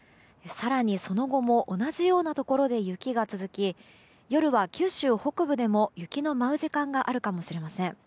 更にその後も同じようなところで雪が続き夜は九州北部でも雪の舞う時間があるかもしれません。